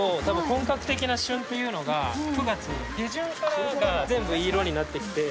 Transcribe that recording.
本格的な旬というのが９月下旬からが全部いい色になってきて。